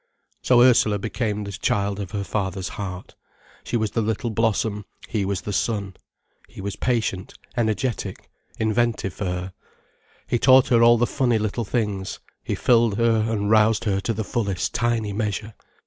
So Ursula became the child of her father's heart. She was the little blossom, he was the sun. He was patient, energetic, inventive for her. He taught her all the funny little things, he filled her and roused her to her fullest tiny measure.